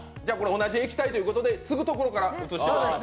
同じ液体ということでつぐところから映していただいて。